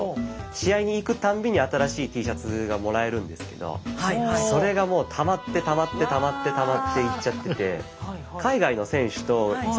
試合に行くたんびに新しいＴシャツがもらえるんですけどそれがもうたまってたまってたまってたまっていっちゃってて。